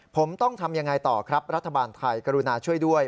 ผมต้องทำยังไงต่อครับรัฐบาลไทยกรุณาช่วยด้วย